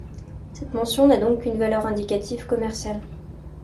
Cette mention n'a donc qu'une valeur indicative commerciale.